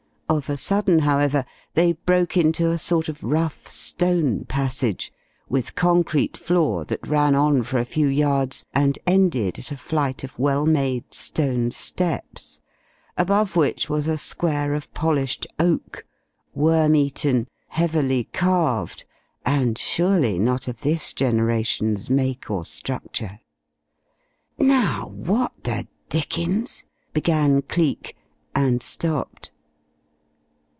Of a sudden, however, they broke into a sort of rough stone passage, with concrete floor that ran on for a few yards and ended at a flight of well made stone steps, above which was a square of polished oak, worm eaten, heavily carved, and surely not of this generation's make or structure. "Now, what the dickens...?" began Cleek, and stopped.